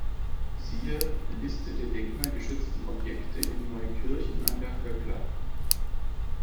Siehe "Liste der denkmalgeschützten Objekte in Neukirchen an der Vöckla"